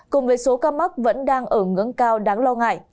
cùng với số ca mắc vẫn đang ở ngưỡng cao đáng lo ngại